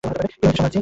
কী হয়েছে, সামার জি?